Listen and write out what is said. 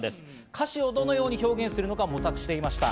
歌詞をどのように表現するのか模索していました。